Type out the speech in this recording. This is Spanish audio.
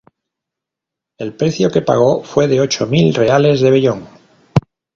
El precio que pagó fue de ocho mil reales de vellón.